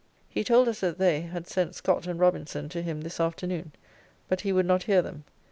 He told us that they [the Parliament] had sent Scott and Robinson to him [Monk] this afternoon, but he would not hear them.